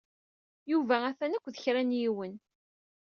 Yuba atan akked kra n yiwen.